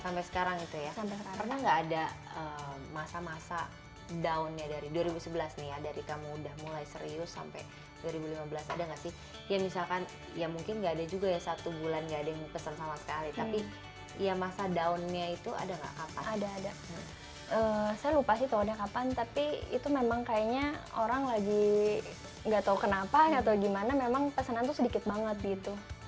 gimana memang pesanan itu sedikit banget gitu